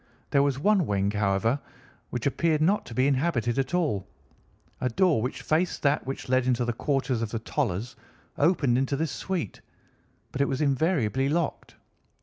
There was one wing, however, which appeared not to be inhabited at all. A door which faced that which led into the quarters of the Tollers opened into this suite, but it was invariably locked.